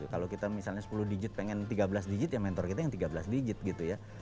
kalau kita misalnya sepuluh digit pengen tiga belas digit ya mentor kita yang tiga belas digit gitu ya